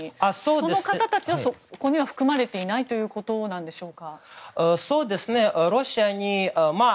その方たちは、ここには含まれていないんでしょうか？